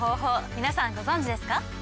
皆さんご存じですか？